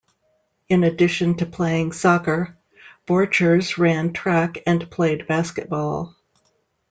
In addition to playing soccer, Borchers ran track and played basketball.